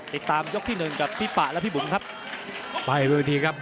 ติดตามยกที่๑กับพี่ปะและพี่บุ๋นครับ